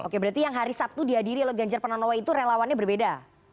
oke berarti yang hari sabtu dihadiri oleh ganjar pranowo itu relawannya berbeda